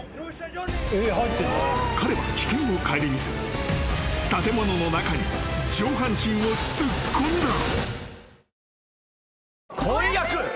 ［彼は危険を顧みず建物の中に上半身を突っ込んだ］